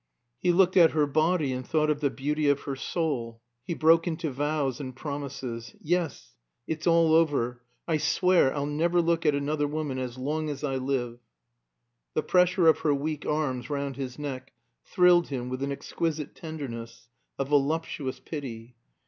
He looked at her body and thought of the beauty of her soul. He broke into vows and promises. "Yes; it's all over. I swear I'll never look at another woman as long as I live." The pressure of her weak arms round his neck thrilled him with an exquisite tenderness, a voluptuous pity.